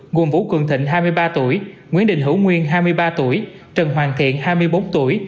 gồm vũ cường thịnh hai mươi ba tuổi nguyễn đình hữu nguyên hai mươi ba tuổi trần hoàng thiện hai mươi bốn tuổi